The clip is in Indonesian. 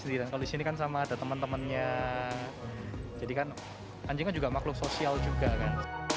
di rumah sendiri kalau di sini kan sama ada temen temennya jadi kan anjingnya juga makhluk sosial juga kan